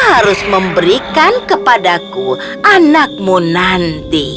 harus memberikan kepadaku anakmu nanti